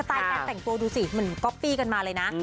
ไตลการแต่งตัวดูสิเหมือนก๊อปปี้กันมาเลยนะ